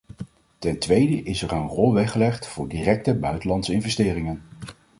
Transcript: Ten tweede is er een rol weggelegd voor directe buitenlandse investeringen.